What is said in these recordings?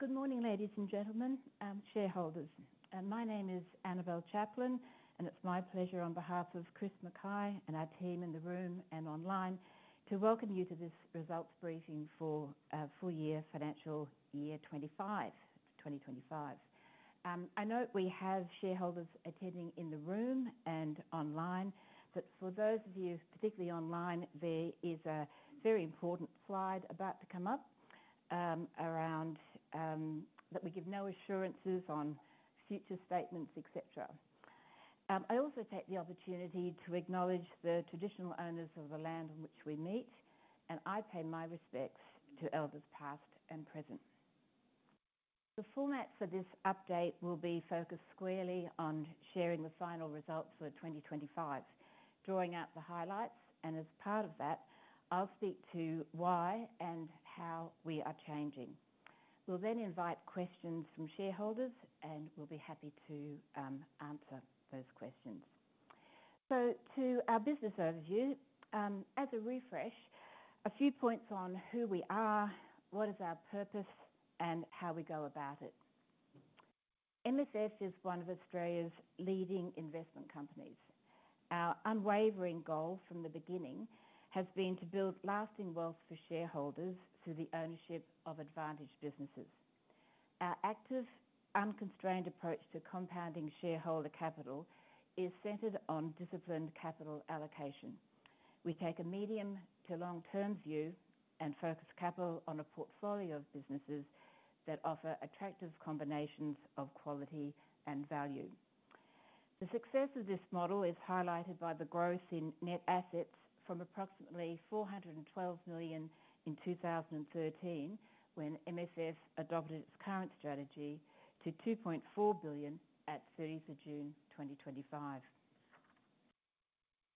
Good morning, ladies and gentlemen, shareholders. My name is Annabelle Chaplain, and it's my pleasure on behalf of Chris Mackay and our team in the room and online to welcome you to this Results Briefing for Full Year Financial Year 2025. I note we have shareholders attending in the room and online. For those of you, particularly online, there is a very important slide about to come up around that we give no assurances on future statements, etc. I also take the opportunity to acknowledge the traditional owners of the land on which we meet, and I pay my respects to Elders past and present. The format for this update will be focused squarely on sharing the final results for 2025, drawing out the highlights, and as part of that, I'll speak to why and how we are changing. We will then invite questions from shareholders, and we'll be happy to answer those questions. To our business overview, as a refresh, a few points on who we are, what is our purpose, and how we go about it. MFF is one of Australia's leading investment companies. Our unwavering goal from the beginning has been to build lasting wealth for shareholders through the ownership of advantaged businesses. Our active, unconstrained approach to compounding shareholder capital is centered on disciplined capital allocation. We take a medium to long-term view and focus capital on a portfolio of businesses that offer attractive combinations of quality and value. The success of this model is highlighted by the growth in net assets from approximately 412 million in 2013 when MFF adopted its current strategy to 2.4 billion at June 30, 2025.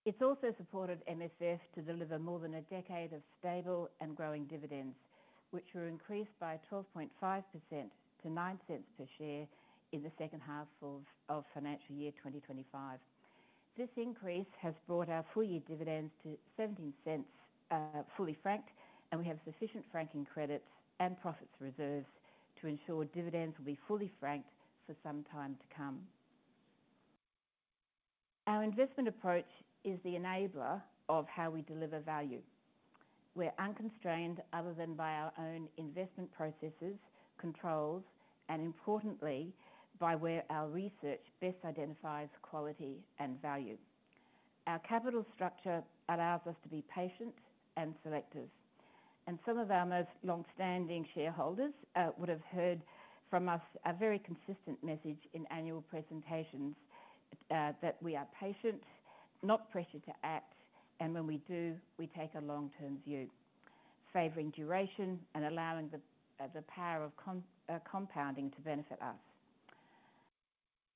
It has also supported MFF to deliver more than a decade of stable and growing dividends, which were increased by 12.5% to 0.09 per share in the second half of financial year 2025. This increase has brought our full-year dividends to 0.17 fully franked, and we have sufficient franking credits and profit reserves to ensure dividends will be fully franked for some time to come. Our investment approach is the enabler of how we deliver value. We're unconstrained other than by our own investment processes, controls, and importantly, by where our research best identifies quality and value. Our capital structure allows us to be patient and selective. Some of our most longstanding shareholders would have heard from us a very consistent message in annual presentations that we are patient, not pressured to act, and when we do, we take a long-term view, favoring duration and allowing the power of compounding to benefit us.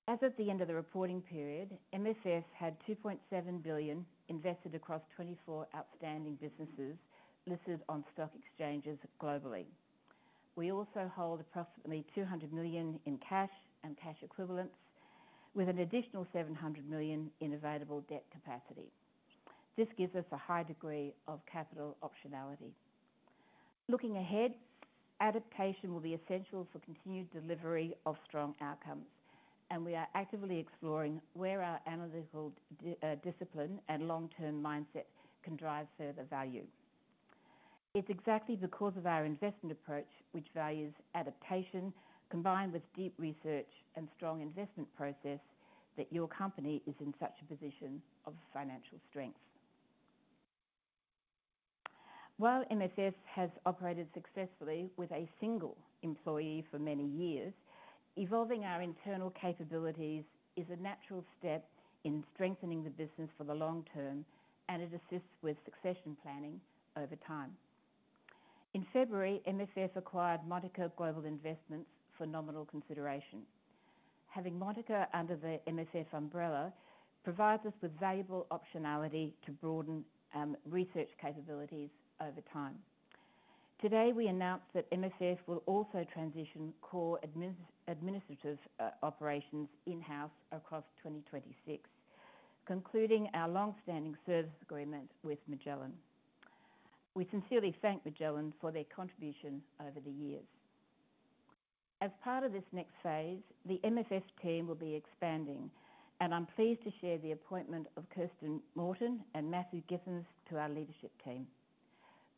As of the end of the reporting period, MFF had 2.7 billion invested across 24 outstanding businesses listed on stock exchanges globally. We also hold approximately 200 million in cash and cash equivalents, with an additional 700 million in available debt capacity. This gives us a high degree of capital optionality. Looking ahead, adaptation will be essential for continued delivery of strong outcomes, and we are actively exploring where our analytical discipline and long-term mindset can drive further value. It is exactly because of our investment approach, which values adaptation, combined with deep research and strong investment process, that your company is in such a position of financial strength. While MFF has operated successfully with a single employee for many years, evolving our internal capabilities is a natural step in strengthening the business for the long-term, and it assists with succession planning over time. In February, MFF acquired Montaka Global Investments for nominal consideration. Having Montaka under the MFF umbrella provides us with valuable optionality to broaden research capabilities over time. Today, MFF will also transition core administrative operations in-house across 2026, concluding our longstanding service agreement with Magellan. We sincerely thank Magellan for their contribution over the years. As part of this next phase, the MFF team will be expanding, and I'm pleased to share the appointment of Kirsten Morton and Matthew Githens to our leadership team.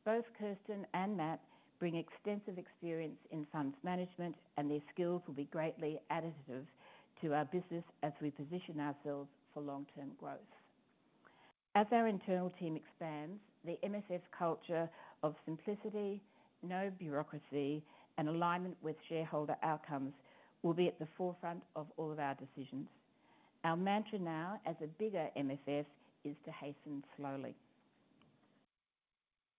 Both Kirsten and Matt bring extensive experience in funds management, and their skills will be greatly additive to our business as we position ourselves for long-term growth. As our internal MFF culture of simplicity, no bureaucracy, and alignment with shareholder outcomes will be at the forefront of all of our decisions. Our mantra now MFF is to hasten slowly.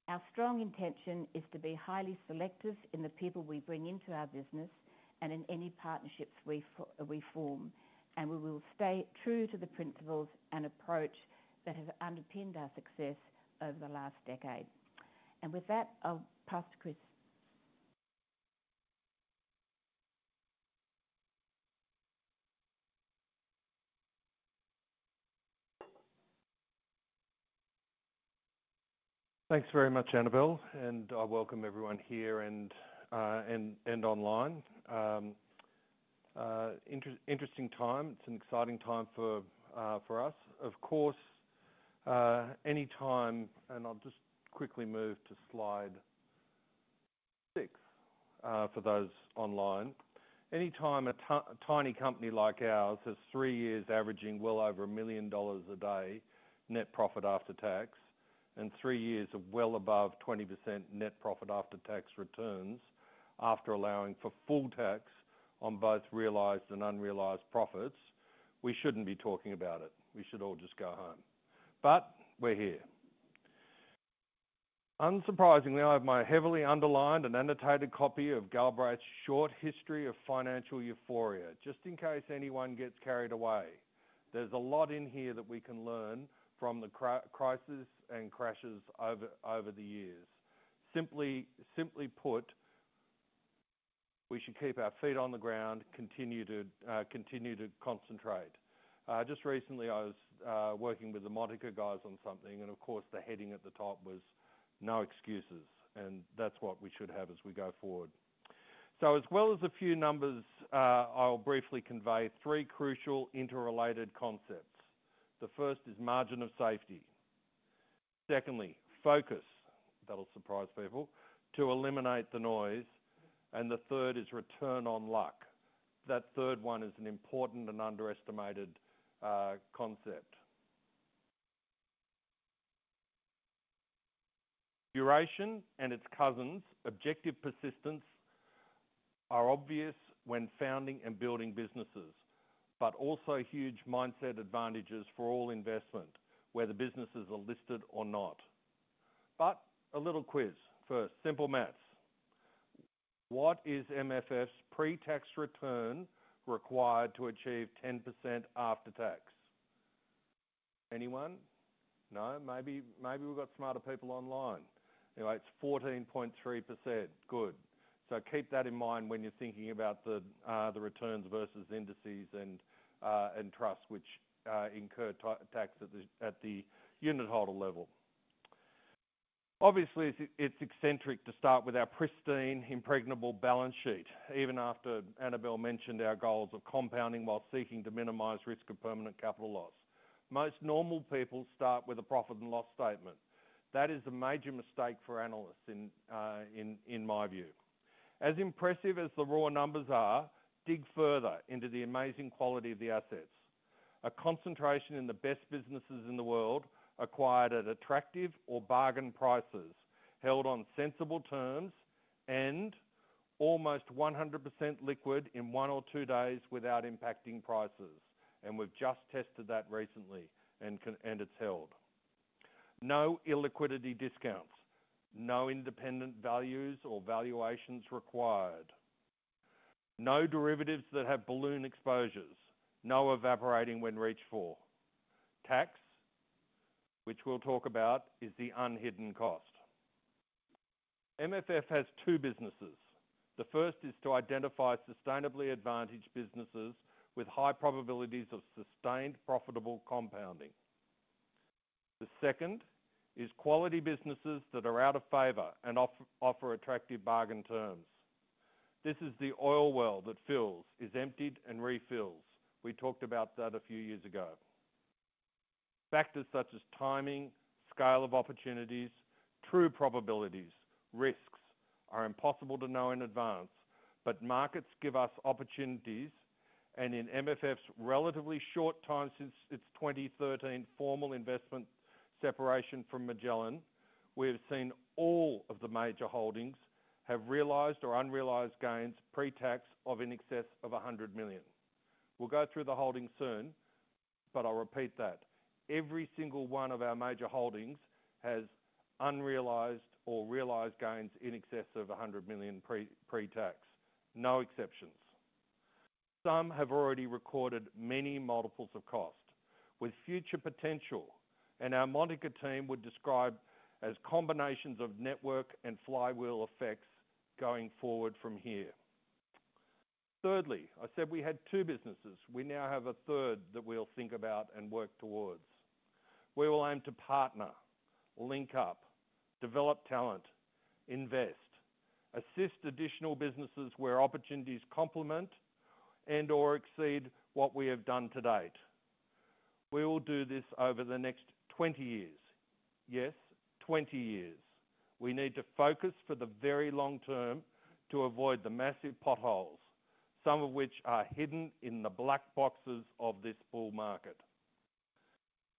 Our strong intention is to be highly selective in the people we bring into our business and in any partnerships we form, and we will stay true to the principles and approach that have underpinned our success over the last decade. With that, I'll pass to Chris. Thanks very much, Annabelle, and I welcome everyone here and online. Interesting time. It's an exciting time for us. Of course, anytime, and I'll just quickly move to slide six for those online. Anytime a tiny company like ours has three years averaging well over 1 million dollars a day net profit after tax and three years of well above 20% net profit after tax returns after allowing for full tax on both realized and unrealized profits, we shouldn't be talking about it. We should all just go home. We're here. Unsurprisingly, I have my heavily underlined and annotated copy of Galbraith's short history of financial euphoria, just in case anyone gets carried away. There's a lot in here that we can learn from the crises and crashes over the years. Simply put, we should keep our feet on the ground, continue to concentrate. Just recently, I was working with the Montaka guys on something, and the heading at the top was "No Excuses," and that's what we should have as we go forward. As well as a few numbers, I'll briefly convey three crucial interrelated concepts. The first is margin of safety. Secondly, focus. That'll surprise people. To eliminate the noise. The third is return on luck. That third one is an important and underestimated concept. Duration and its cousins, objective persistence, are obvious when founding and building businesses, but also huge mindset advantages for all investment, whether businesses are listed or not. A little quiz first. Simple maths. What is MFF's pre-tax return required to achieve 10% after tax? Anyone? No? Maybe we've got smarter people online. It's 14.3%. Good. Keep that in mind when you're thinking about the returns versus indices and trusts which incur tax at the unit holder level. Obviously, it's eccentric to start with our pristine impregnable balance sheet, even after Annabelle mentioned our goals of compounding while seeking to minimize risk of permanent capital loss. Most normal people start with a profit and loss statement. That is a major mistake for analysts, in my view. As impressive as the raw numbers are, dig further into the amazing quality of the assets. A concentration in the best businesses in the world acquired at attractive or bargain prices, held on sensible terms, and almost 100% liquid in one or two days without impacting prices. We've just tested that recently, and it's held. No illiquidity discounts. No independent values or valuations required. No derivatives that have balloon exposures. No evaporating when reached for. Tax, which we'll talk about, is the unhidden cost. MFF has two businesses. The first is to identify sustainably advantaged businesses with high probabilities of sustained profitable compounding. The second is quality businesses that are out of favour and offer attractive bargain terms. This is the oil well that fills, is emptied, and refills. We talked about that a few years ago. Factors such as timing, scale of opportunities, true probabilities, and risks are impossible to know in advance, but markets give us opportunities, and in MFF's relatively short time since its 2013 formal investment separation from Magellan, we have seen all of the major holdings have realized or unrealized gains pre-tax of in excess of 100 million. We'll go through the holdings soon, but I'll repeat that. Every single one of our major holdings has unrealized or realized gains in excess of 100 million pre-tax. No exceptions. Some have already recorded many multiples of cost, with future potential, and our Montaka team would describe as combinations of network and flywheel effects going forward from here. Thirdly, I said we had two businesses. We now have a third that we'll think about and work towards. We will aim to partner, link up, develop talent, invest, and assist additional businesses where opportunities complement and/or exceed what we have done to date. We will do this over the next 20 years. Yes, 20 years. We need to focus for the very long term to avoid the massive potholes, some of which are hidden in the black boxes of this bull market.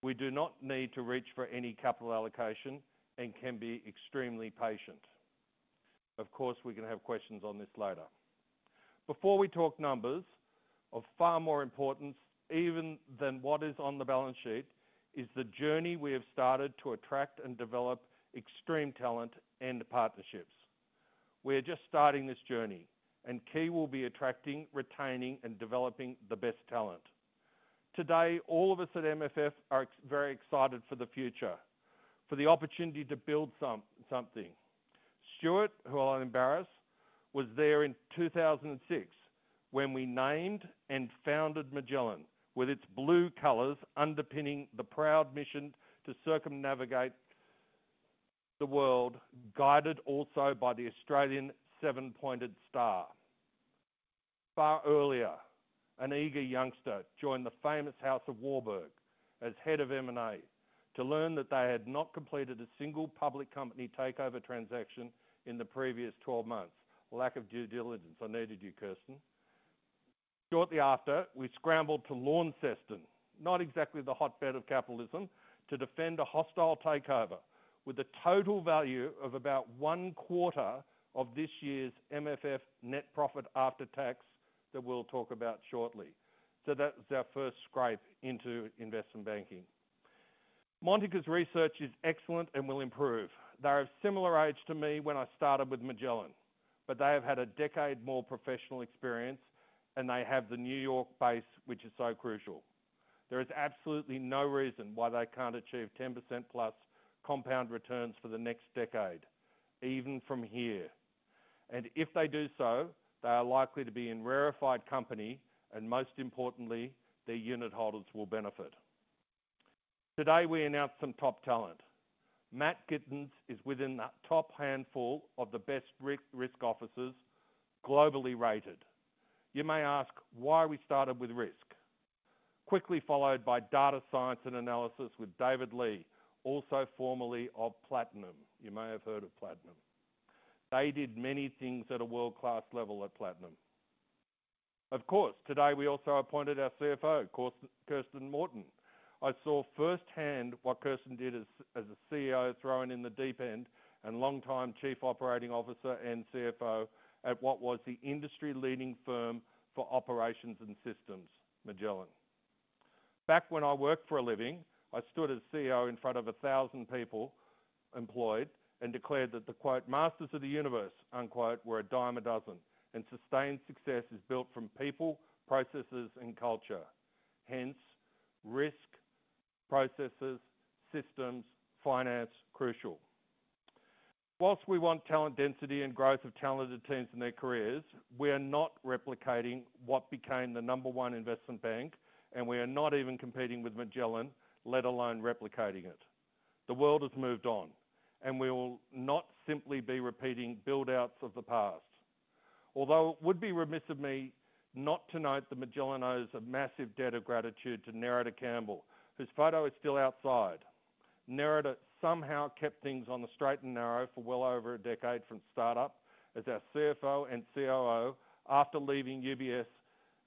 We do not need to reach for any capital allocation and can be extremely patient. Of course, we can have questions on this later. Before we talk numbers, of far more importance even than what is on the balance sheet is the journey we have started to attract and develop extreme talent and partnerships. We are just starting this journey, and key will be attracting, retaining, and developing the best talent. Today, all of us at MFF are very excited for the future, for the opportunity to build something. Stuart, who I'll embarrass, was there in 2006 when we named and founded Magellan, with its blue colours underpinning the proud mission to circumnavigate the world, guided also by the Australian seven-pointed star. Far earlier, an eager youngster joined the famous House of Warburg as Head of M&A to learn that they had not completed a single public company takeover transaction in the previous 12 months. Lack of due diligence. I needed you, Kirsten. Shortly after, we scrambled to Launceston, not exactly the hotbed of capitalism, to defend a hostile takeover with a total value of about one quarter of this year's MFF net profit after tax that we'll talk about shortly. That was our first scrape into investment banking. Montaka's research is excellent and will improve. They're of similar age to me when I started with Magellan, but they have had a decade more professional experience, and they have the New York base, which is so crucial. There is absolutely no reason why they can't achieve 10%+ compound returns for the next decade, even from here. If they do so, they are likely to be in rarefied company, and most importantly, their unit holders will benefit. Today, we announced some top talent. Matt Githens is within that top handful of the best risk officers, globally rated. You may ask why we started with risk. Quickly followed by data science and analysis with David Lee, also formerly of Platinum. You may have heard of Platinum. They did many things at a world-class level at Platinum. Of course, today we also appointed our CFO, Kirsten Morton. I saw firsthand what Kirsten did as a CEO, throwing in the deep end, and longtime Chief Operating Officer and CFO at what was the industry-leading firm for operations and systems, Magellan. Back when I worked for a living, I stood as CEO in front of a thousand people employed and declared that the quote "masters of the universe" were a dime a dozen, and sustained success is built from people, processes, and culture. Hence, risk, processes, systems, finance, crucial. Whilst we want talent density and growth of talented teams in their careers, we are not replicating what became the number one investment bank, and we are not even competing with Magellan, let alone replicating it. The world has moved on, and we will not simply be repeating build-outs of the past. Although it would be remiss of me not to note that Magellan owes a massive debt of gratitude to Nerida Campbell, whose photo is still outside. Nerida somehow kept things on the straight and narrow for well over a decade from startup as our CFO and COO after leaving UBS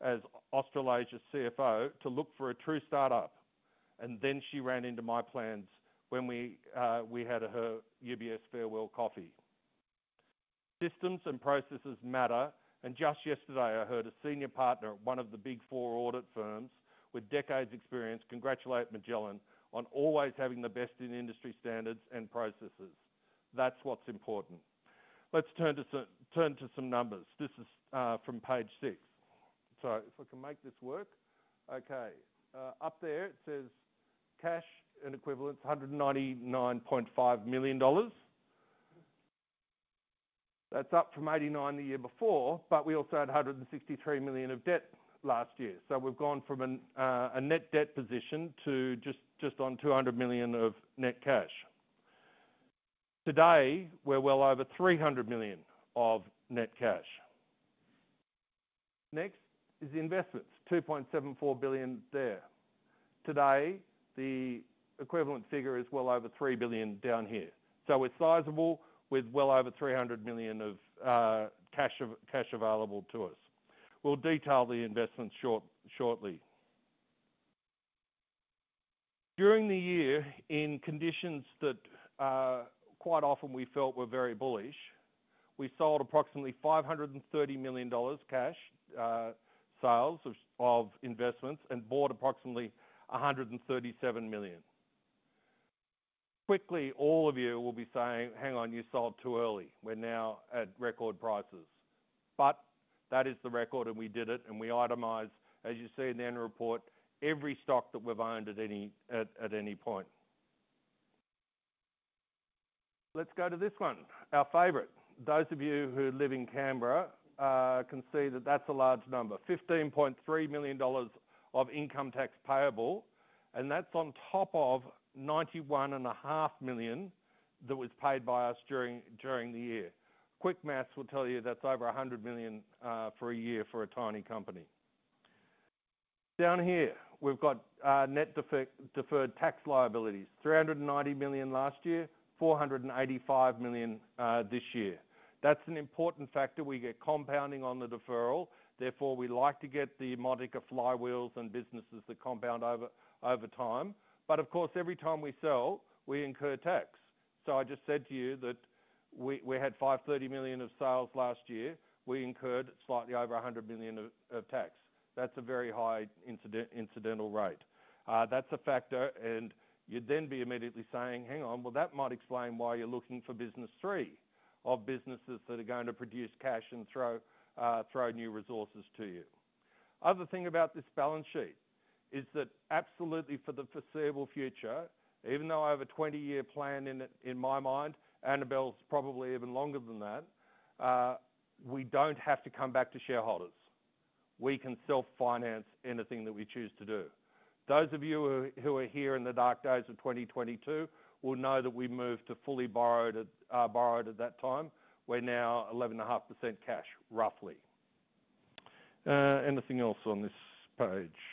as Australasia's CFO to look for a true startup. She ran into my plans when we had her UBS farewell coffee. Systems and processes matter, and just yesterday I heard a Senior Partner at one of the Big Four audit firms with decades' experience congratulate Magellan on always having the best in industry standards and processes. That's what's important. Let's turn to some numbers. This is from page six. If I can make this work. Up there, it says cash and equivalents, 199.5 million dollars. That's up from 89 million the year before, but we also had 163 million of debt last year. We've gone from a net debt position to just on 200 million of net cash. Today, we're well over 300 million of net cash. Next is investments, 2.74 billion there. Today, the equivalent figure is well over 3 billion down here. It's sizable with well over 300 million of cash available to us. We'll detail the investments shortly. During the year, in conditions that quite often we felt were very bullish, we sold approximately 530 million dollars cash sales of investments and bought approximately 137 million. Quickly, all of you will be saying, "Hang on, you sold too early. We're now at record prices." That is the record, and we did it, and we itemized, as you see in the annual report, every stock that we've owned at any point. Let's go to this one, our favourite. Those of you who live in Canberra can see that that's a large number. 15.3 million dollars of income tax payable, and that's on top of 91.5 million that was paid by us during the year. Quick maths will tell you that's over 100 million for a year for a tiny company. Down here, we've got net deferred tax liabilities, 390 million last year, 485 million this year. That's an important factor. We get compounding on the deferral. Therefore, we like to get the Montaka flywheels and businesses that compound over time. Of course, every time we sell, we incur tax. I just said to you that we had 530 million of sales last year. We incurred slightly over 100 million of tax. That's a very high incidental rate. That's a factor, and you'd then be immediately saying, "Hang on, well, that might explain why you're looking for business three of businesses that are going to produce cash and throw new resources to you." Other thing about this balance sheet is that absolutely for the foreseeable future, even though I have a 20-year plan in my mind, Annabelle's probably even longer than that, we don't have to come back to shareholders. We can self-finance anything that we choose to do. Those of you who are here in the dark days of 2022 will know that we moved to fully borrowed at that time. We're now 11.5% cash, roughly. Anything else on this page?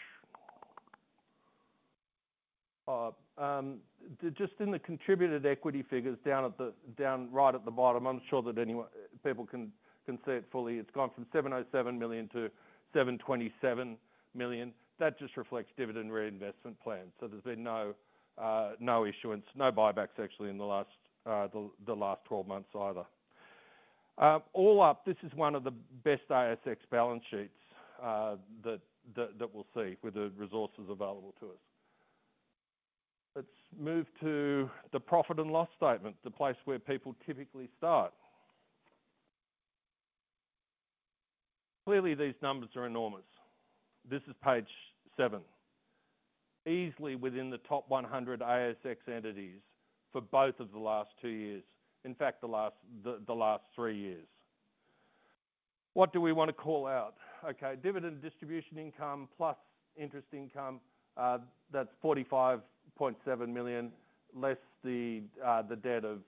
Just in the contributed equity figures down right at the bottom, I'm sure that people can see it fully. It's gone from 707 million to 727 million. That just reflects dividend reinvestment plans. There's been no issuance, no buybacks actually in the last 12 months either. All up, this is one of the best ASX balance sheets that we'll see with the resources available to us. Let's move to the profit and loss statement, the place where people typically start. Clearly, these numbers are enormous. This is page seven. Easily within the top 100 ASX entities for both of the last two years. In fact, the last three years. What do we want to call out? Dividend distribution income plus interest income, that's 45.7 million less the debt of,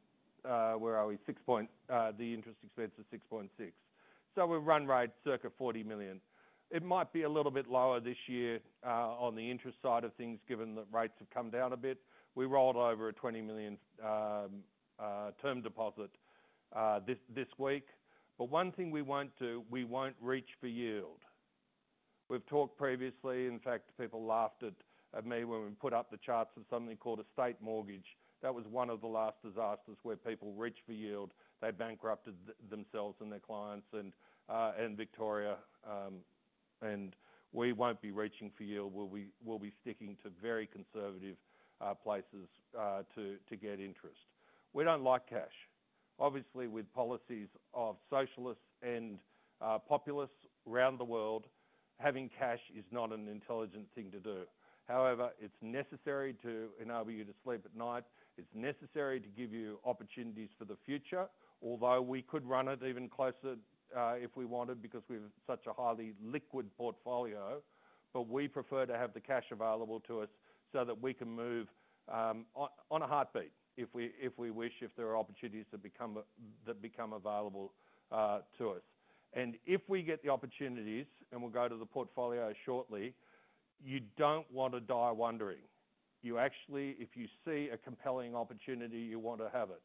where are we, the interest expense of 6.6 million. We've run rates circa 40 million. It might be a little bit lower this year on the interest side of things given that rates have come down a bit. We rolled over a 20 million term deposit this week. One thing we won't do, we won't reach for yield. We've talked previously, in fact, people laughed at me when we put up the charts of something called a state mortgage. That was one of the last disasters where people reached for yield. They bankrupted themselves and their clients and Victoria. We won't be reaching for yield. We'll be sticking to very conservative places to get interest. We don't like cash. Obviously, with policies of socialists and populists around the world, having cash is not an intelligent thing to do. However, it's necessary to enable you to sleep at night. It's necessary to give you opportunities for the future, although we could run it even closer if we wanted because we have such a highly liquid portfolio. We prefer to have the cash available to us so that we can move on a heartbeat if we wish, if there are opportunities that become available to us. If we get the opportunities, and we'll go to the portfolio shortly, you don't want to die wondering. If you see a compelling opportunity, you want to have it.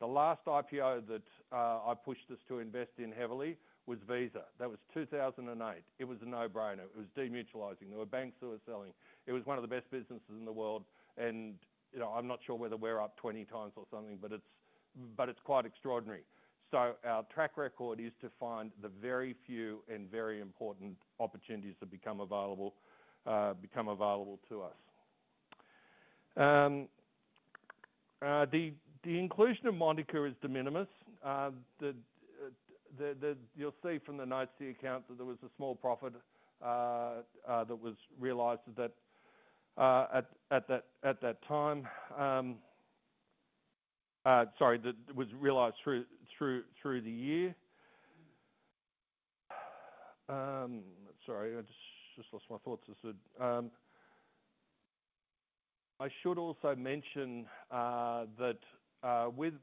The last IPO that I pushed us to invest in heavily was Visa. That was 2008. It was a no-brainer. It was demutualizing. There were banks who were selling. It was one of the best businesses in the world. I'm not sure whether we're up 20 times or something, but it's quite extraordinary. Our track record is to find the very few and very important opportunities that become available to us. The inclusion of Montaka is de minimus. You'll see from the notes of the account that there was a small profit that was realized at that time, realized through the year. I should also mention that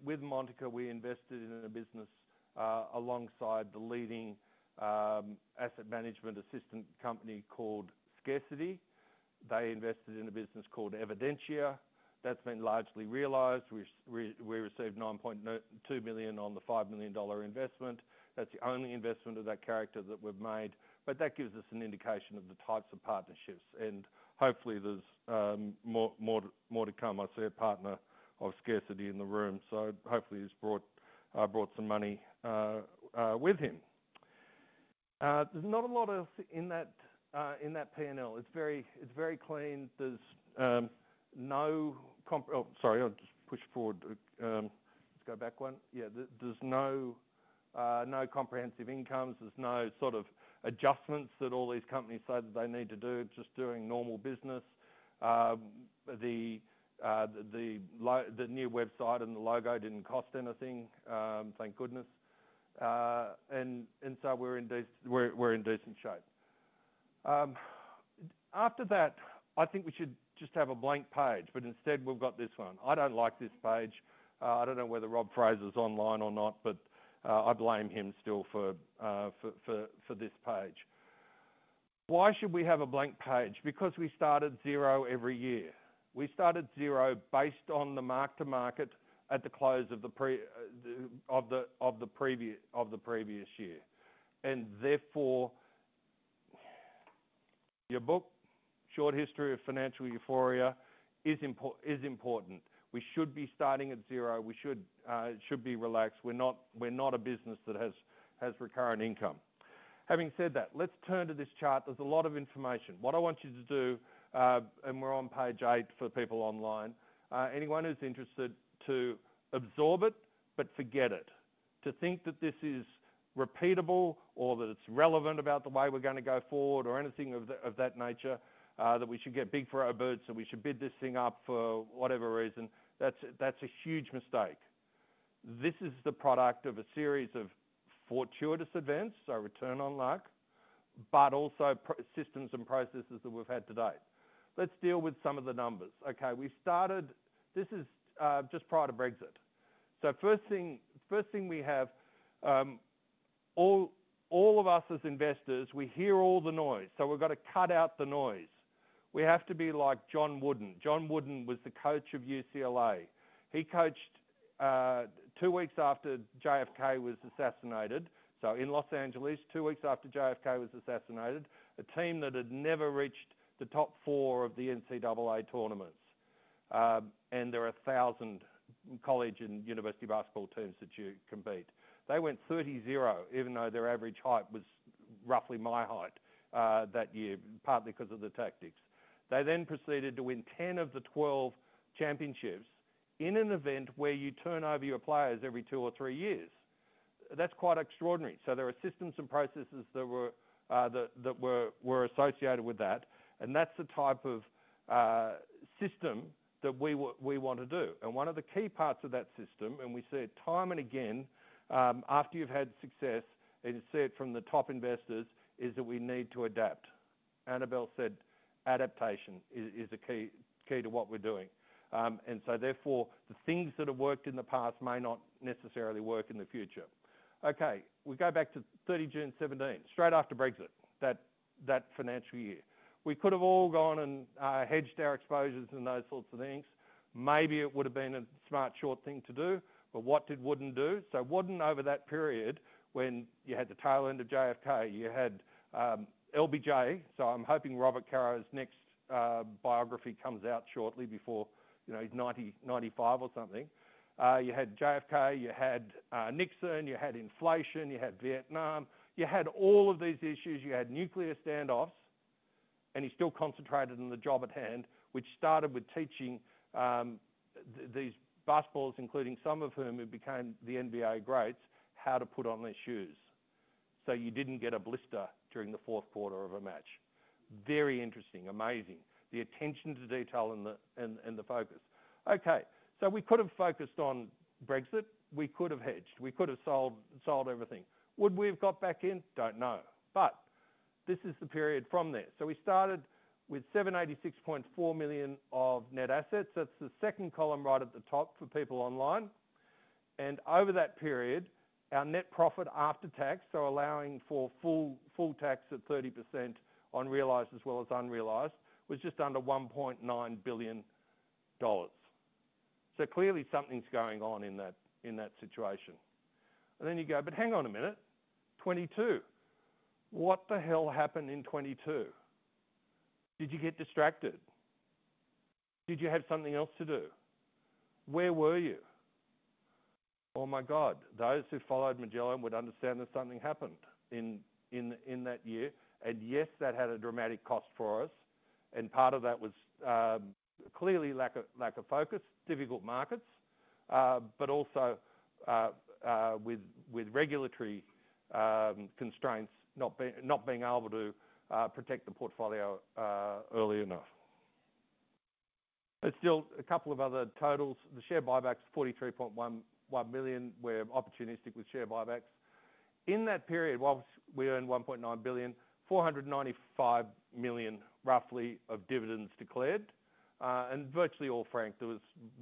with Montaka, we invested in a business alongside the leading asset management assistant company called Scarcity. They invested in a business called Evidentia. That's been largely realized. We received 9.2 million on the 5 million dollar investment. That's the only investment of that character that we've made. That gives us an indication of the types of partnerships, and hopefully, there's more to come. I see a partner of Scarcity in the room, so hopefully, he's brought some money with him. There's not a lot of that in the P&L. It's very clean. There's no, I'll just push forward. Let's go back one. There's no comprehensive incomes. There's no sort of adjustments that all these companies say that they need to do, just doing normal business. The new website and the logo didn't cost anything, thank goodness, and we're in decent shape. After that, I think we should just have a blank page, but instead, we've got this one. I don't like this page. I don't know whether Rob Fraser's online or not, but I blame him still for this page. Why should we have a blank page? We started zero every year. We started zero based on the mark-to-market at the close of the previous year. Therefore, your book, A Short History of Financial Euphoria, is important. We should be starting at zero. We should be relaxed. We're not a business that has recurrent income. Having said that, let's turn to this chart. There's a lot of information. What I want you to do, and we're on page eight for people online, anyone who's interested to absorb it, but forget it. To think that this is repeatable or that it's relevant about the way we're going to go forward or anything of that nature, that we should get big for our birds and we should bid this thing up for whatever reason, that's a huge mistake. This is the product of a series of fortuitous events, so return on luck, but also systems and processes that we've had to date. Let's deal with some of the numbers. We started, this is just prior to Brexit. First thing we have, all of us as investors, we hear all the noise. We've got to cut out the noise. We have to be like John Wooden. John Wooden was the coach of UCLA. He coached two weeks after JFK was assassinated. In Los Angeles, two weeks after JFK was assassinated, a team that had never reached the top four of the NCAA tournaments. There are a thousand college and university basketball teams that you can beat. They went 30-0, even though their average height was roughly my height that year, partly because of the tactics. They then proceeded to win 10 of the 12 championships in an event where you turn over your players every two or three years. That's quite extraordinary. There are systems and processes that were associated with that. That's the type of system that we want to do. One of the key parts of that system, and we see it time and again, after you've had success, and you see it from the top investors, is that we need to adapt. Annabelle said adaptation is a key to what we're doing. Therefore, the things that have worked in the past may not necessarily work in the future. We go back to 30 June 2017, straight after Brexit, that financial year. We could have all gone and hedged our exposures and those sorts of things. Maybe it would have been a smart short thing to do, but what did Wooden do? Wooden over that period when you had the tail end of JFK, you had LBJ, so I'm hoping Robert Caro's next biography comes out shortly before, you know, he's 95 or something. You had JFK, you had Nixon, you had inflation, you had Vietnam, you had all of these issues, you had nuclear standoffs, and he still concentrated on the job at hand, which started with teaching these basketballers, including some of whom who became the NBA greats, how to put on their shoes. You didn't get a blister during the fourth quarter of a match. Very interesting, amazing. The attention to detail and the focus. We could have focused on Brexit, we could have hedged, we could have sold everything. Would we have got back in? Don't know. This is the period from there. We started with 786.4 million of net assets. That's the second column right at the top for people online. Over that period, our net profit after tax, so allowing for full tax at 30% on realized as well as unrealized, was just under 1.9 billion dollars. Clearly something's going on in that situation. Then you go, but hang on a minute, 2022. What the hell happened in 2022? Did you get distracted? Did you have something else to do? Where were you? Oh my God, those who followed Magellan would understand that something happened in that year. Yes, that had a dramatic cost for us. Part of that was clearly lack of focus, difficult markets, but also with regulatory constraints, not being able to protect the portfolio early enough. There are still a couple of other totals. The share buybacks, 43.1 million, we're opportunistic with share buybacks. In that period, whilst we earned 1.9 billion, 495 million roughly of dividends declared. Virtually all franked, there was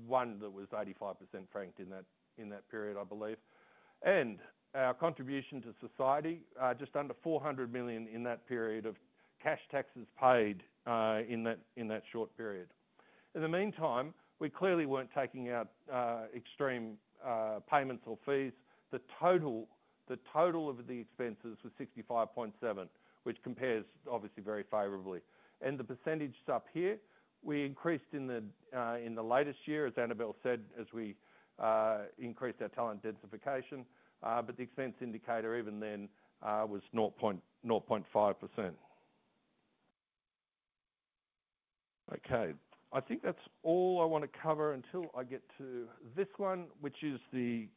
one that was 85% franked in that period, I believe. Our contribution to society, just under 400 million in that period of cash taxes paid in that short period. In the meantime, we clearly weren't taking out extreme payments or fees. The total of the expenses was 65.7 million, which compares obviously very favorably. The percentage up here, we increased in the latest year, as Annabelle said, as we increased our talent densification, but the expense indicator even then was 0.5%. I think that's all I want to cover until I get to this one, which is the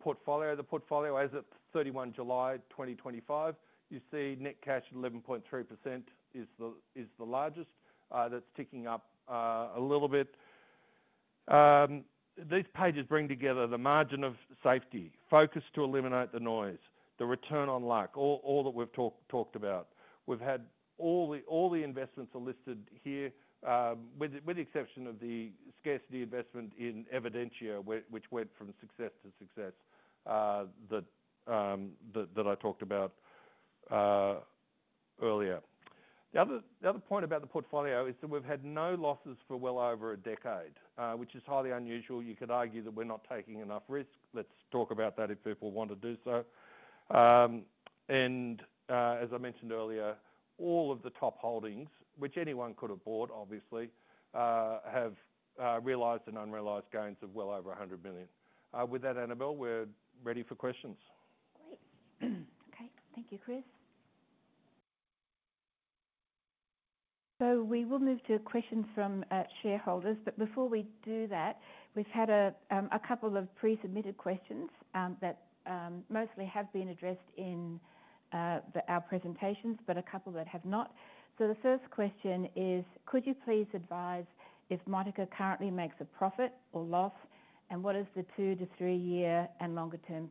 portfolio. The portfolio as of 31 July 2025, you see net cash at 11.3% is the largest. That's ticking up a little bit. These pages bring together the margin of safety, focus to eliminate the noise, the return on luck, all that we've talked about. We've had all the investments listed here, with the exception of the Scarcity investment in Evidentia, which went from success to success that I talked about earlier. The other point about the portfolio is that we've had no losses for well over a decade, which is highly unusual. You could argue that we're not taking enough risk. Let's talk about that if people want to do so. As I mentioned earlier, all of the top holdings, which anyone could have bought, obviously, have realized and unrealized gains of well over 100 million. With that, Annabelle, we're ready for questions. Okay, thank you, Chris. We will move to questions from shareholders, but before we do that, we've had a couple of pre-submitted questions that mostly have been addressed in our presentations, but a couple that have not. The first question is, could you please advise if Montaka currently makes a profit or loss, and what is the two to three-year and longer-term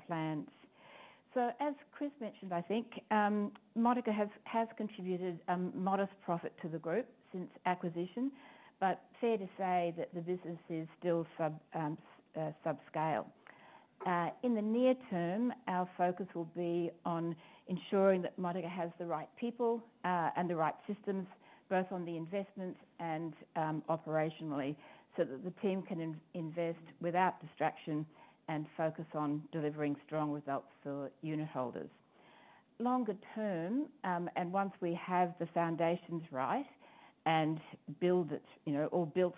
plans? As Chris mentioned, I think Montaka has contributed a modest profit to the group since acquisition, but fair to say that the business is still sub-scale. In the near-term, our focus will be on ensuring that Montaka has the right people and the right systems, both on the investments and operationally, so that the team can invest without distraction and focus on delivering strong results for unit holders. Longer-term, once we have the foundations right and build it, all built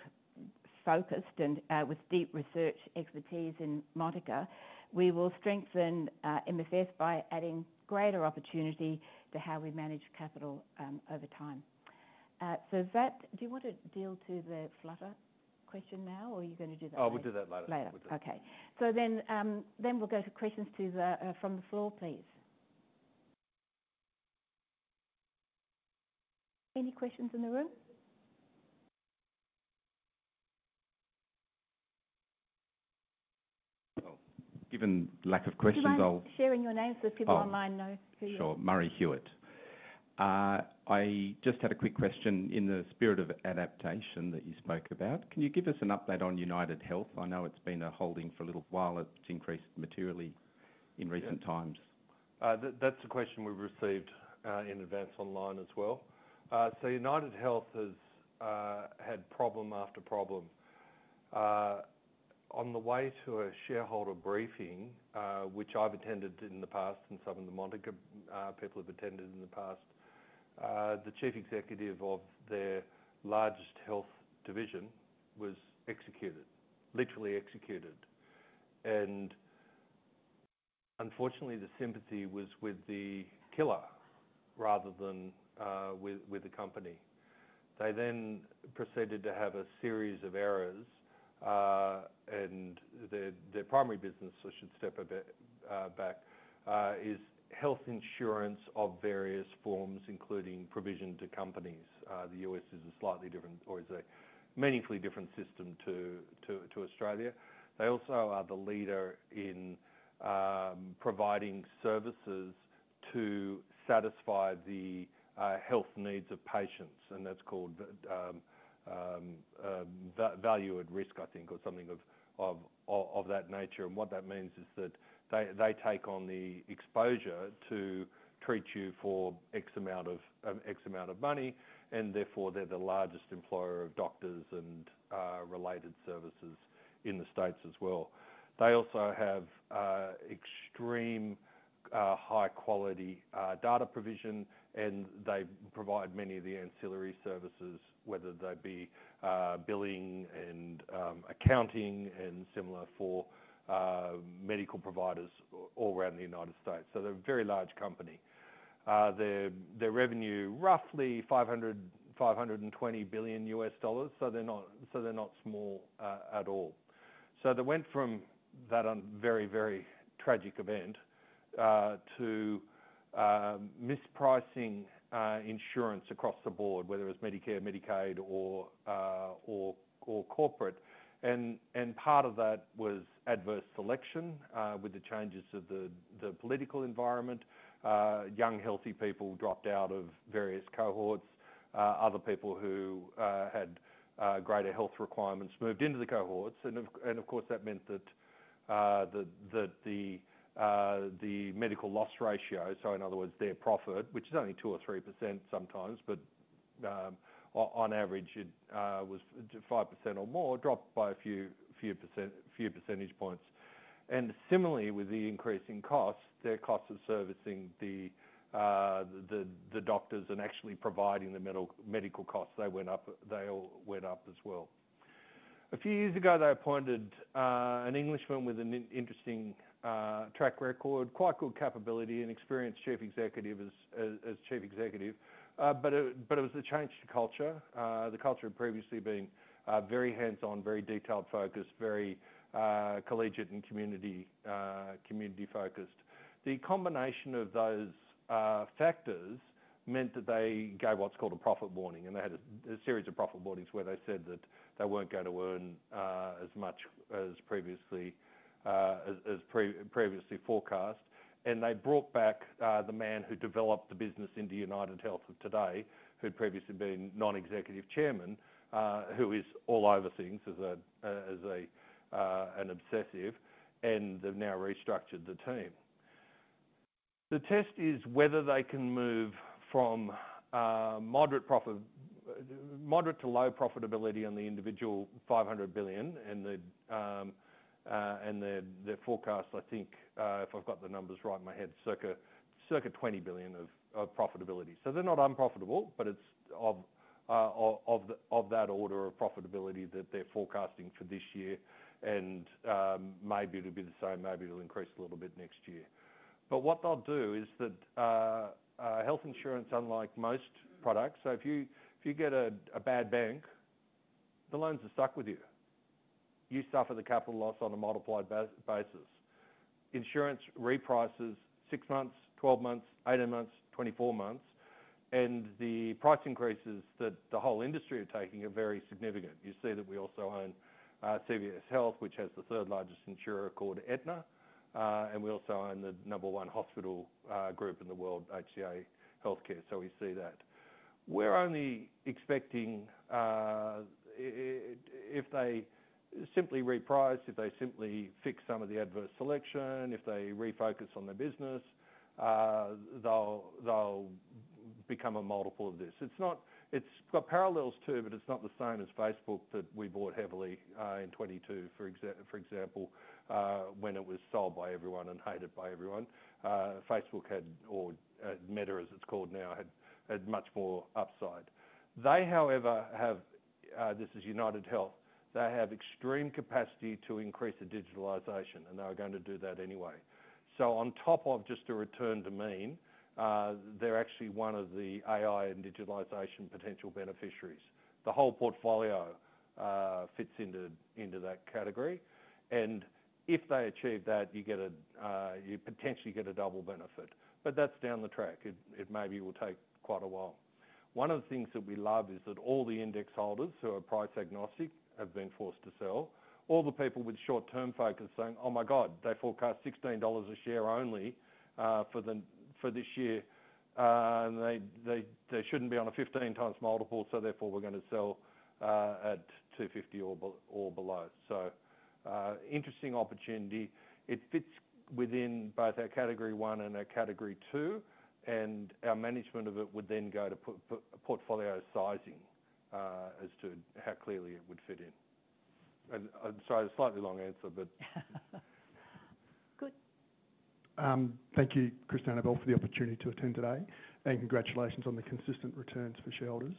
focused and with deep research expertise in Montaka, we will strengthen MFF by adding greater opportunity to how we manage capital over time. Vat, do you want to deal to the Flutter question now, or are you going to do that later? I'll do that later. Okay, we'll go to questions from the floor, please. Any questions in the room? Sharing your names so people online know who you are. Sure, Murray Hewitt. I just had a quick question in the spirit of adaptation that you spoke about. Can you give us an update on UnitedHealth? I know it's been a holding for a little while. It's increased materially in recent times. That's a question we've received in advance online as well. UnitedHealth has had problem after problem. On the way to a shareholder briefing, which I've attended in the past and some of the Montaka people have attended in the past, the Chief Executive of their largest health division was executed, literally executed. Unfortunately, the sympathy was with the killer rather than with the company. They proceeded to have a series of errors, and their primary business, I should step a bit back, is health insurance of various forms, including provision to companies. The U.S. is a slightly different, or is a meaningfully different system to Australia. They also are the leader in providing services to satisfy the health needs of patients, and that's called value at risk, I think, or something of that nature. What that means is that they take on the exposure to treat you for X amount of money, and therefore, they're the largest employer of doctors and related services in the States as well. They also have extremely high-quality data provision, and they provide many of the ancillary services, whether they be billing and accounting and similar for medical providers all around the United States. They're a very large company. Their revenue, roughly $520 billion, so they're not small at all. They went from that very, very tragic event to mispricing insurance across the board, whether it was Medicare, Medicaid, or corporate. Part of that was adverse selection with the changes of the political environment. Young, healthy people dropped out of various cohorts. Other people who had greater health requirements moved into the cohorts. Of course, that meant that the medical loss ratio, so in other words, their profit, which is only 2% or 3% sometimes, but on average, it was 5% or more, dropped by a few percentage points. Similarly, with the increase in costs, their cost of servicing the doctors and actually providing the medical costs, they went up as well. A few years ago, they appointed an Englishman with an interesting track record, quite good capability, and experienced Chief Executive as Chief Executive. It was the change to culture, the culture of previously being very hands-on, very detailed focus, very collegiate and community-focused. The combination of those factors meant that they gave what's called a profit warning, and they had a series of profit warnings where they said that they weren't going to earn as much as previously forecast. They brought back the man who developed the business into UnitedHealth of today, who'd previously been non-executive chairman, who is all over things as an obsessive, and they've now restructured the team. The test is whether they can move from moderate to low profitability on the individual 500 billion, and their forecast, I think, if I've got the numbers right in my head, circa 20 billion of profitability. They're not unprofitable, but it's of that order of profitability that they're forecasting for this year, and maybe it'll be the same, maybe it'll increase a little bit next year. What they'll do is that health insurance, unlike most products, if you get a bad bank, the loans are stuck with you. You suffer the capital loss on a modified basis. Insurance reprices six months, 12 months, 18 months, 24 months, and the price increases that the whole industry are taking are very significant. You see that we also own CVS Health, which has the third largest insurer called Aetna, and we also own the number one hospital group in the world, HCA Healthcare. We see that. We're only expecting if they simply reprice, if they simply fix some of the adverse selection, if they refocus on their business, they'll become a multiple of this. It's got parallels too, but it's not the same as Facebook that we bought heavily in 2022, for example, when it was sold by everyone and hated by everyone. Facebook had, or Meta as it's called now, had much more upside. They, however, have, this is UnitedHealth, they have extreme capacity to increase the digitalisation, and they were going to do that anyway. On top of just a return to mean, they're actually one of the AI and digitalisation potential beneficiaries. The whole portfolio fits into that category. If they achieve that, you potentially get a double benefit. That's down the track. It maybe will take quite a while. One of the things that we love is that all the index holders who are price agnostic have been forced to sell. All the people with short-term focus saying, "Oh my God, they forecast 16 dollars a share only for this year." They shouldn't be on a 15 times multiple, so therefore we're going to sell at 250 or below. Interesting opportunity. It fits within both our category one and our category two, and our management of it would then go to portfolio sizing as to how clearly it would fit in. Sorry, a slightly long answer, but... Good. Thank you, Chris and Annabelle, for the opportunity to attend today, and congratulations on the consistent returns for shareholders.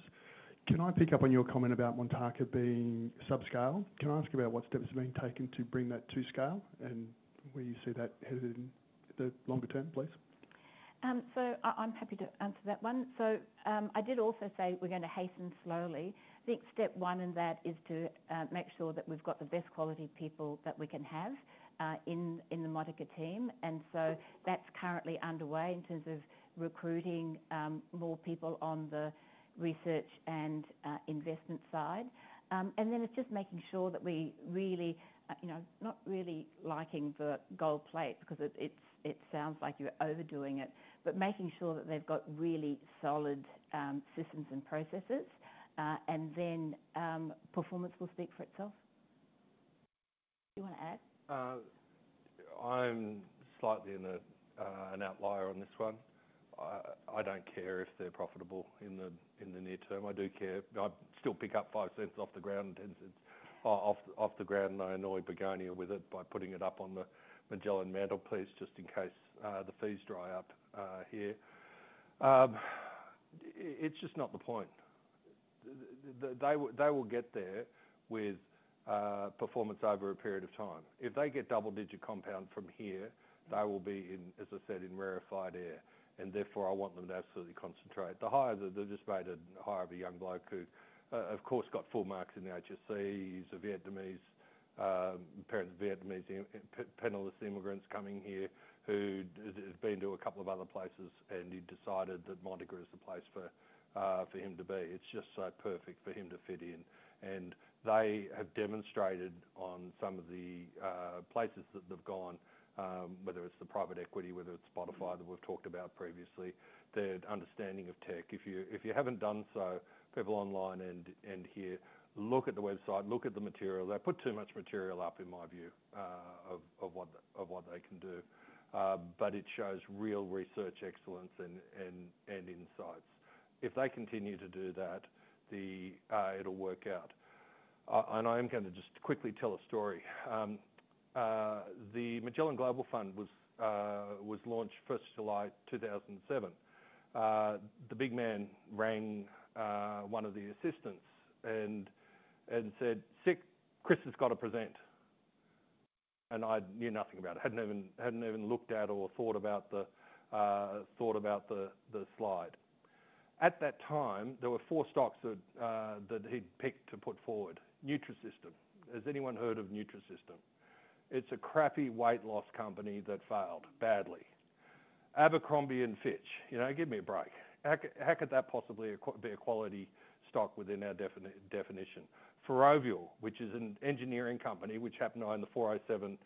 Can I pick up on your comment about Montaka being sub-scale? Can I ask about what steps are being taken to bring that to scale and where you see that headed in the longer-term, please? I'm happy to answer that one. I did also say we're going to hasten slowly. I think step one in that is to make sure that we've got the best quality people that we can have in the Montaka team. That's currently underway in terms of recruiting more people on the research and investment side. It's just making sure that we really, you know, not really liking the gold plate because it sounds like you're overdoing it, but making sure that they've got really solid systems and processes, and then performance will speak for itself. Do you want to add? I'm slightly an outlier on this one. I don't care if they're profitable in the near term. I do care. I still pick up 0.05 off the ground, AUD 0.10 off the ground, and I annoy Begonia with it by putting it up on the Magellan mantle, please, just in case the fees dry up here. It's just not the point. They will get there with performance over a period of time. If they get double-digit compound from here, they will be in, as I said, in rarefied air. Therefore, I want them to absolutely concentrate. The highs that they've just made at the heart of a young bloke who, of course, got full marks in the HSC, he's Vietnamese, parents of Vietnamese, penniless immigrants coming here who have been to a couple of other places and he decided that Montaka is the place for him to be. It's just so perfect for him to fit in. They have demonstrated on some of the places that they've gone, whether it's the private equity, whether it's Spotify that we've talked about previously, their understanding of tech. If you haven't done so, people online and here look at the website, look at the material. They put too much material up in my view of what they can do. It shows real research excellence and insights. If they continue to do that, it'll work out. I am going to just quickly tell a story. The Magellan Global Fund was launched July 1, 2007. The big man rang one of the assistants and said, "Sick, Chris has got to present." I knew nothing about it. I hadn't even looked at or thought about the slide. At that time, there were four stocks that he'd picked to put forward. Nutrisystem. Has anyone heard of Nutrisystem? It's a crappy weight loss company that failed badly. Abercrombie and Fitch, you know, give me a break. How could that possibly be a quality stock within our definition? Ferrovial, which is an engineering company, which happened to own the 407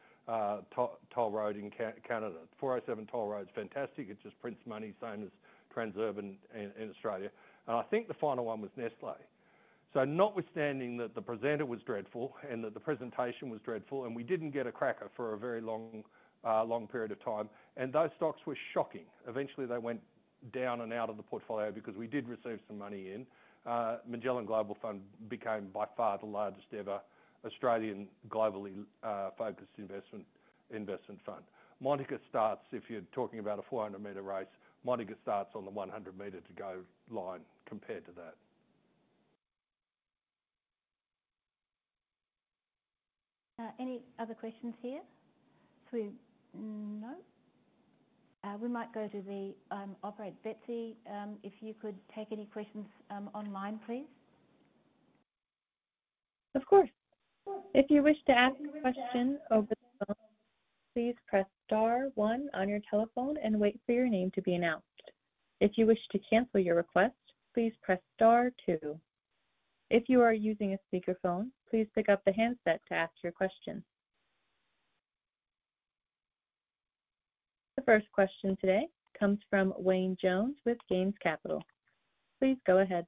Toll Road in Canada. 407 Toll Road's fantastic. It just prints money, same as Transurban in Australia. I think the final one was Nestlé. Notwithstanding that the presenter was dreadful and that the presentation was dreadful, and we didn't get a cracker for a very long period of time, and those stocks were shocking. Eventually, they went down and out of the portfolio because we did receive some money in. Magellan Global Fund became by far the largest ever Australian globally focused investment fund. Montaka starts, if you're talking about a 400 m race, Montaka starts on the 100-meter-to-go line compared to that. Any other questions here? No, we might go to the operator. Betsy, if you could take any questions online, please. Of course. If you wish to ask a question over the phone, please press star one on your telephone and wait for your name to be announced. If you wish to cancel your request, please press star two. If you are using a speakerphone, please pick up the handset to ask your question. The first question today comes from Wayne Jones with Ganes Capital. Please go ahead.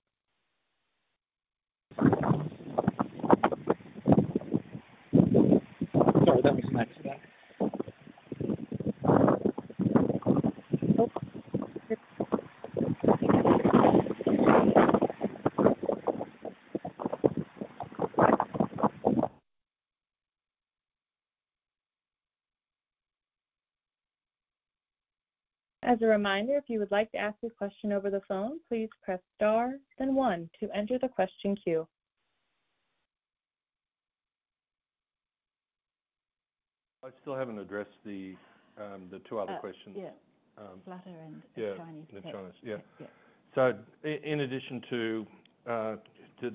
As a reminder, if you would like to ask a question over the phone, please press star, then one to enter the question queue. I still haven't addressed the two other questions. Yeah, Flutter and Prosus. In addition to,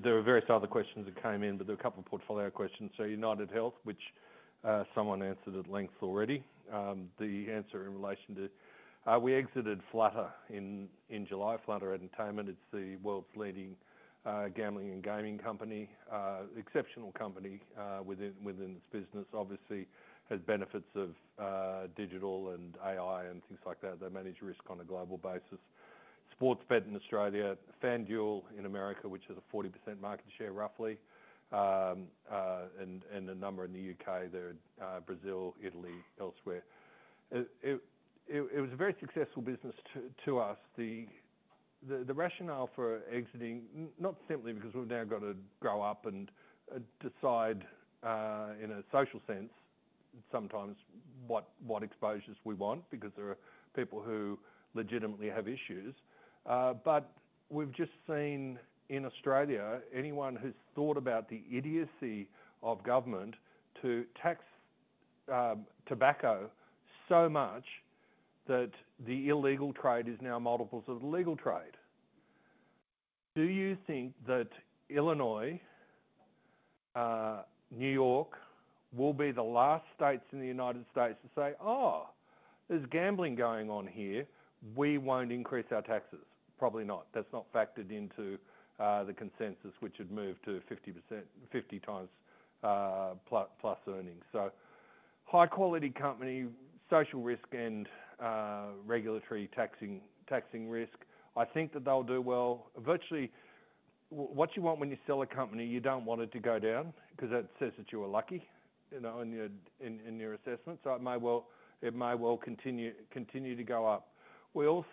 there were various other questions that came in, but there were a couple of portfolio questions. UnitedHealth, which someone answered at length already, the answer in relation to, we exited Flutter in July. Flutter Entertainment, it's the world's leading gambling and gaming company, exceptional company within this business. Obviously, it has benefits of digital and AI and things like that. They manage risk on a global basis. Sportsbet in Australia, FanDuel in America, which has a 40% market share roughly, and a number in the UK, Brazil, Italy, elsewhere. It was a very successful business to us. The rationale for exiting, not simply because we've now got to grow up and decide in a social sense, sometimes what exposures we want because there are people who legitimately have issues. We've just seen in Australia, anyone who's thought about the idiocy of government to tax tobacco so much that the illegal trade is now multiples of the legal trade. Do you think that Illinois, New York will be the last states in the United States to say, "Oh, there's gambling going on here, we won't increase our taxes"? Probably not. That's not factored into the consensus, which had moved to 50%, 50x plus earnings. High-quality company, social risk and regulatory taxing risk. I think that they'll do well. Virtually, what you want when you sell a company, you don't want it to go down because that says that you were lucky in your assessment. It may well continue to go up. There's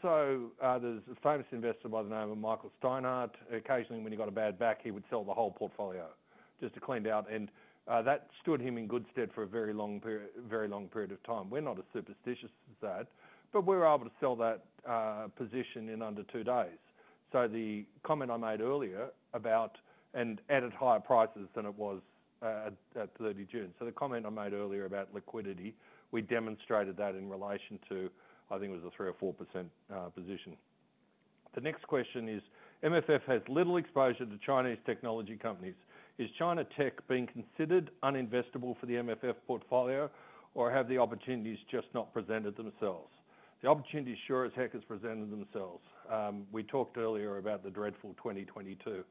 a famous investor by the name of Michael Steinhardt. Occasionally, when he got a bad back, he would sell the whole portfolio just to clean it out. That stood him in good stead for a very long period of time. We're not as superstitious as that, but we were able to sell that position in under two days. The comment I made earlier about, and added higher prices than it was at 30 June. The comment I made earlier about liquidity, we demonstrated that in relation to, I think it was a 3% or 4% position. The next question is, MFF has little exposure to Chinese technology companies. Is China Tech being considered uninvestable for the MFF portfolio, or have the opportunities just not presented themselves? The opportunities sure as heck have presented themselves. We talked earlier about the dreadful 2022.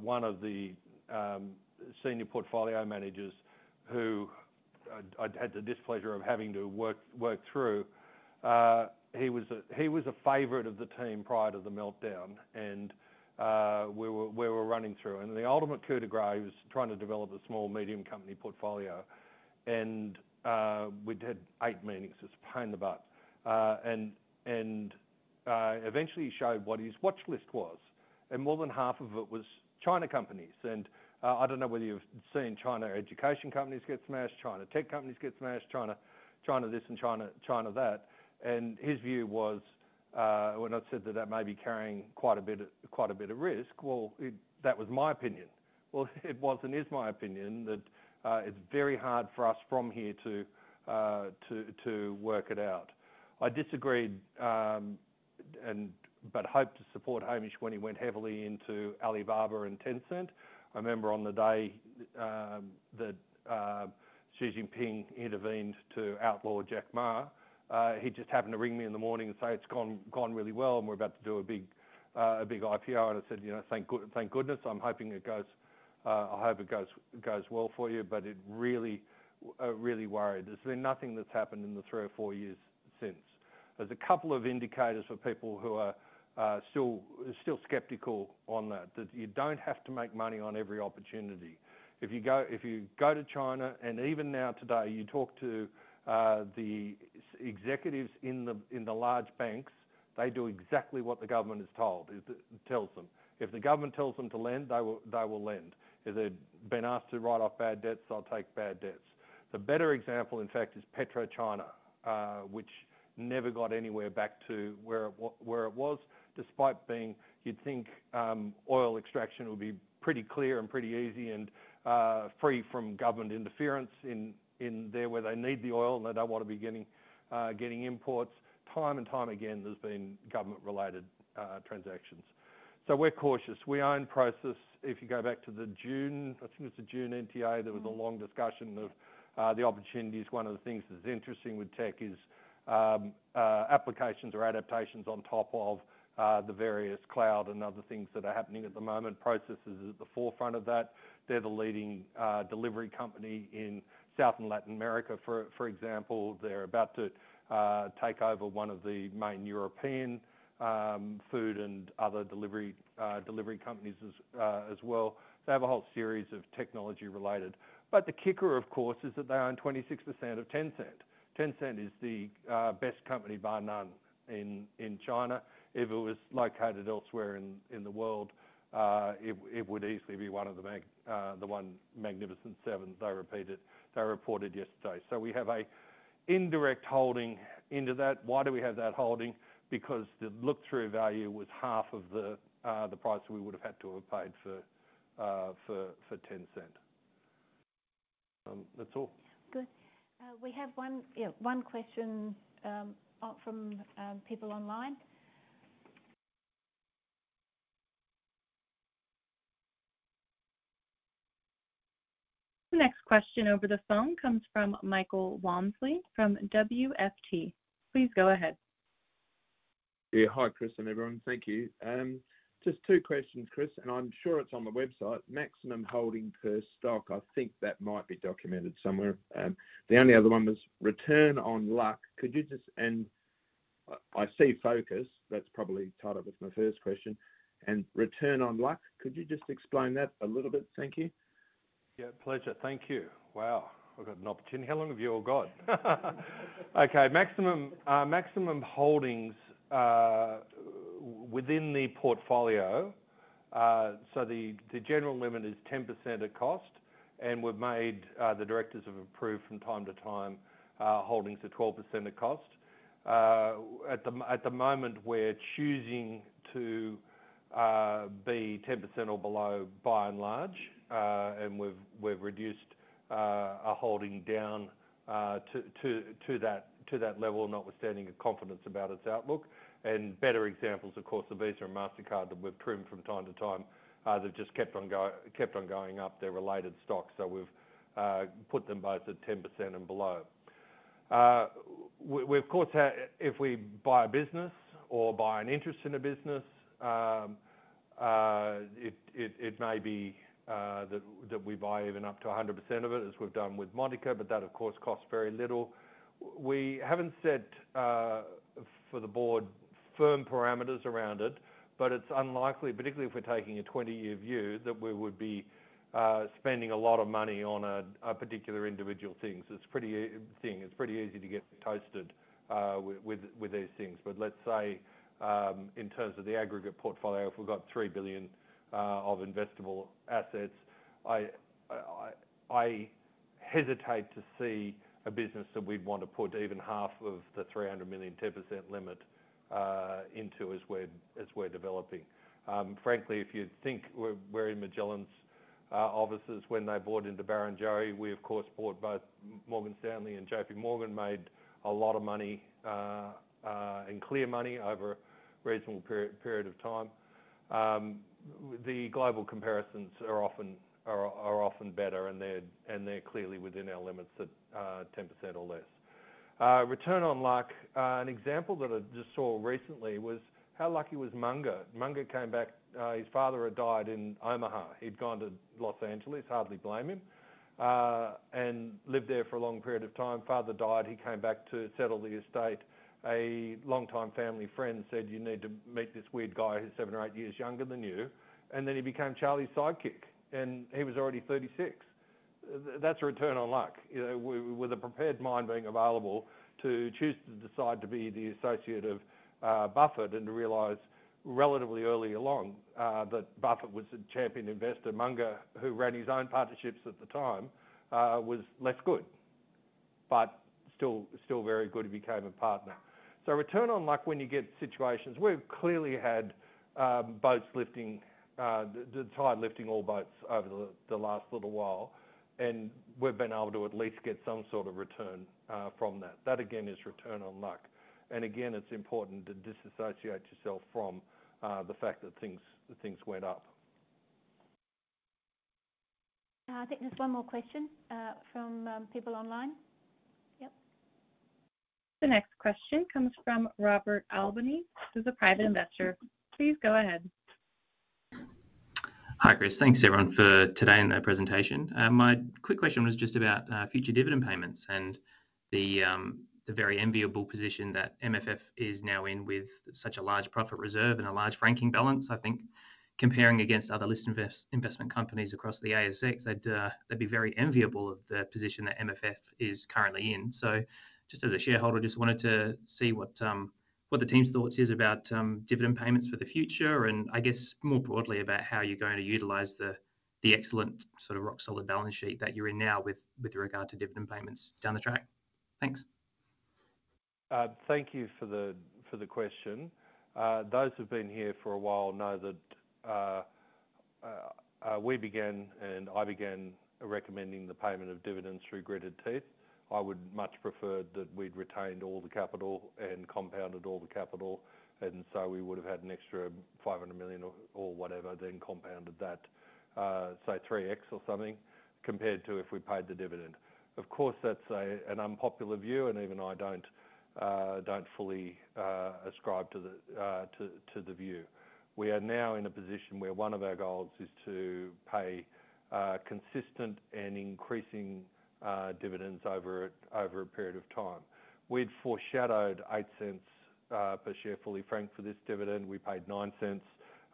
One of the Senior Portfolio Managers who I had the displeasure of having to work through, he was a favorite of the team prior to the meltdown, and we were running through. The ultimate coup de grace was trying to develop a small medium company portfolio. We did eight meetings, just pain in the butt. Eventually, he showed what his watchlist was, and more than half of it was China companies. I don't know whether you've seen China education companies get smashed, China tech companies get smashed, China this and China that. His view was, when I said that that may be carrying quite a bit of risk, well, that was my opinion. It was and is my opinion that it's very hard for us from here to work it out. I disagreed, but hoped to support Hamish when he went heavily into Alibaba and Tencent. I remember on the day that Xi Jinping intervened to outlaw Jack Ma, he just happened to ring me in the morning and say, "It's gone really well and we're about to do a big IPO." I said, "You know, thank goodness. I'm hoping it goes, I hope it goes well for you, but it really, really worried." There's been nothing that's happened in the three or four years since. There's a couple of indicators for people who are still skeptical on that, that you don't have to make money on every opportunity. If you go to China and even now today, you talk to the executives in the large banks, they do exactly what the government tells them. If the government tells them to lend, they will lend. If they've been asked to write off bad debts, they'll take bad debts. The better example, in fact, is PetroChina, which never got anywhere back to where it was, despite being, you'd think oil extraction would be pretty clear and pretty easy and free from government interference in there where they need the oil and they don't want to be getting imports. Time and time again, there's been government-related transactions. We're cautious. We own Prosus. If you go back to the June, I think it was the June NTA, there was a long discussion of the opportunities. One of the things that's interesting with tech is applications or adaptations on top of the various cloud and other things that are happening at the moment. Prosus is at the forefront of that. They're the leading delivery company in South and Latin America, for example. They're about to take over one of the main European food and other delivery companies as well. They have a whole series of technology-related. The kicker, of course, is that they own 26% of Tencent. Tencent is the best company bar none in China. If it was located elsewhere in the world, it would easily be one of the Magnificent Seven they reported yesterday. We have an indirect holding into that. Why do we have that holding? The look-through value was half of the price we would have had to have paid for Tencent. That's all. Good. We have one question from people online. Next question over the phone comes from [Michael Walmsley from WFT]. Please go ahead. Yeah, hi Chris and everyone. Thank you. Just two questions, Chris, and I'm sure it's on the website. Maximum holding per stock, I think that might be documented somewhere. The only other one was return on luck. Could you just, I see focus, that's probably tied up with my first question. Return on luck, could you just explain that a little bit? Thank you. Yeah, pleasure. Thank you. Wow, I've got an opportunity. How long have you all got? Okay, maximum holdings within the portfolio. The general limit is 10% at cost, and the directors have approved from time to time holdings at 12% at cost. At the moment, we're choosing to be 10% or below by and large, and we've reduced a holding down to that level, notwithstanding a confidence about its outlook. Better examples, of course, are Visa and Mastercard that we've trimmed from time to time. They've just kept on going up, their related stocks. We've put them both at 10% and below. We've, of course, had, if we buy a business or buy an interest in a business, it may be that we buy even up to 100% of it, as we've done with Montaka, but that, of course, costs very little. We haven't set for the board firm parameters around it, but it's unlikely, particularly if we're taking a 20-year view, that we would be spending a lot of money on a particular individual thing. It's pretty easy to get toasted with these things. Let's say in terms of the aggregate portfolio, if we've got 3 billion of investable assets, I hesitate to see a business that we'd want to put even half of the 300 million 10% limit into as we're developing. Frankly, if you think we're in Magellan's offices when they bought into Baron Jay, we, of course, bought both Morgan Stanley and JPMorgan, made a lot of money and clear money over a reasonable period of time. The global comparisons are often better, and they're clearly within our limits at 10% or less. Return on luck, an example that I just saw recently was how lucky was Munger. Munger came back, his father had died in Omaha. He'd gone to Los Angeles, hardly blame him, and lived there for a long period of time. Father died, he came back to settle the estate. A long-time family friend said, "You need to meet this weird guy who's seven or eight years younger than you." He became Charlie's sidekick, and he was already 36. That's a return on luck. With a prepared mind being available to choose to decide to be the associate of Buffett and to realize relatively early along that Buffett was a champion investor, Munger, who ran his own partnerships at the time, was less good, but still very good if he became a partner. Return on luck when you get situations. We've clearly had boats lifting, the tide lifting all boats over the last little while, and we've been able to at least get some sort of return from that. That again is return on luck. It's important to disassociate yourself from the fact that things went up. I think there's one more question from people online. Yep. The next question comes from [Robert Albany], who's a private investor. Please go ahead. Hi Chris, thanks everyone for today and their presentation. My quick question was just about future dividend payments and the very enviable position that MFF is now in with such a large profit reserve and a large franking balance. I think comparing against other listed investment companies across the ASX, they'd be very enviable of the position that MFF is currently in. Just as a shareholder, I just wanted to see what the team's thoughts are about dividend payments for the future, and I guess more broadly about how you're going to utilize the excellent sort of rock solid balance sheet that you're in now with regard to dividend payments down the track. Thanks. Thank you for the question. Those who've been here for a while know that we began and I began recommending the payment of dividends through gritted teeth. I would much prefer that we'd retained all the capital and compounded all the capital, and so we would have had an extra 500 million or whatever, then compounded that, say, 3x or something compared to if we paid the dividend. Of course, that's an unpopular view, and even I don't fully ascribe to the view. We are now in a position where one of our goals is to pay consistent and increasing dividends over a period of time. We'd foreshadowed 0.08 per share, fully franked, for this dividend. We paid 0.09,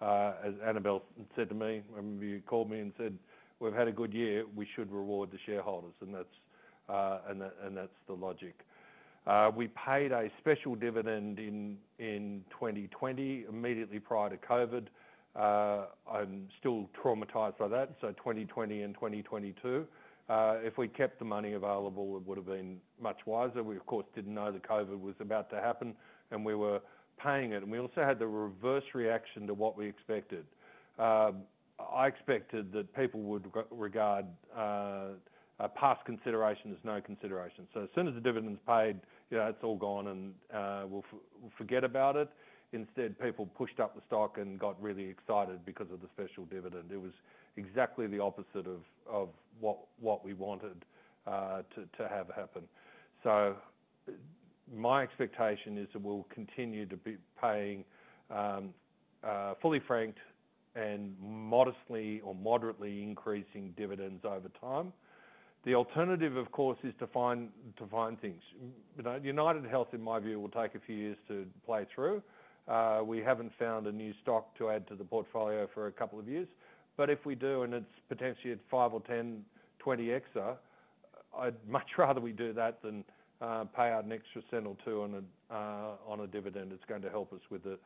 as Annabelle said to me, when you called me and said, "We've had a good year. We should reward the shareholders," and that's the logic. We paid a special dividend in 2020, immediately prior to COVID. I'm still traumatized by that, so 2020 and 2022. If we'd kept the money available, it would have been much wiser. We, of course, didn't know that COVID was about to happen, and we were paying it. We also had the reverse reaction to what we expected. I expected that people would regard past consideration as no consideration. As soon as the dividend's paid, you know, it's all gone and we'll forget about it. Instead, people pushed up the stock and got really excited because of the special dividend. It was exactly the opposite of what we wanted to have happen. My expectation is that we'll continue to be paying fully franked and modestly or moderately increasing dividends over time. The alternative, of course, is to find things. UnitedHealth, in my view, will take a few years to play through. We haven't found a new stock to add to the portfolio for a couple of years. If we do, and it's potentially at 5x or 10x, 20x, I'd much rather we do that than pay out an extra cent or two on a dividend. It's going to help us with it.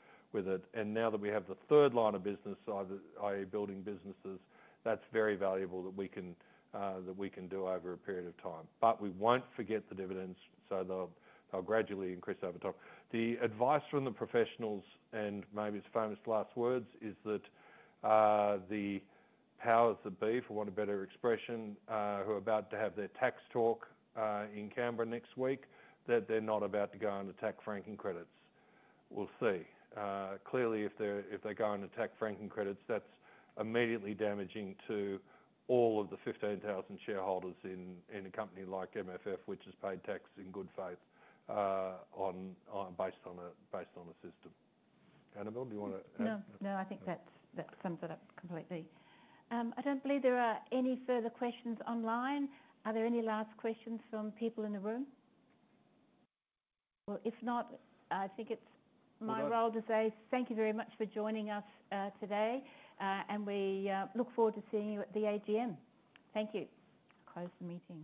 Now that we have the third line of business, i.e., building businesses, that's very valuable that we can do over a period of time. We won't forget the dividends, so they'll gradually increase over time. The advice from the professionals, and maybe it's the famous last words, is that the powers that be, for want of a better expression, who are about to have their tax talk in Canberra next week, that they're not about to go and attack franking credits. We'll see. Clearly, if they go and attack franking credits, that's immediately damaging to all of the 15,000 shareholders in like MFF, which has paid tax in good faith based on a system. Annabelle, do you want to add? No, I think that sums it up completely. I don't believe there are any further questions online. Are there any last questions from people in the room? If not, I think it's my role to say thank you very much for joining us today, and we look forward to seeing you at the AGM. Thank you. I'll close the meeting.